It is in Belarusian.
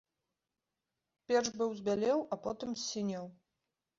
Перш быў збялеў, а потым ссінеў.